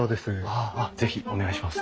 あっ是非お願いします。